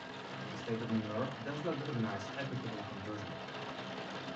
The State of New York does not recognize equitable conversion.